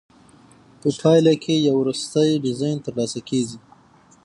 په پایله کې یو وروستی ډیزاین ترلاسه کیږي.